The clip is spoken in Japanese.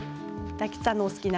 大吉さんのお好きな